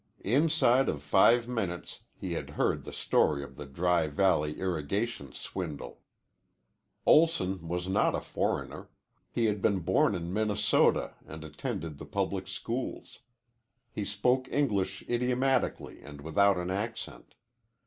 Inside of five minutes he had heard the story of the Dry Valley irrigation swindle. Olson was not a foreigner. He had been born in Minnesota and attended the public schools. He spoke English idiomatically and without an accent.